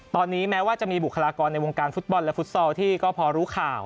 ตอนนี้แม้ว่าจะมีบุคลากรในวงการฟุตบอลและฟุตซอลที่ก็พอรู้ข่าว